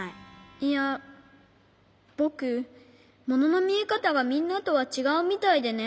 いやぼくもののみえかたがみんなとはちがうみたいでね。